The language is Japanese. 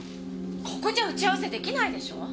ここじゃ打ち合わせ出来ないでしょ？